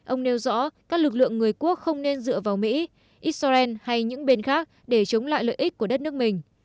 ông nêu rõ các lực lượng người quốc không nên dựa vào mỹ israel hay những bên khác để chống lại lợi ích của đất nước mình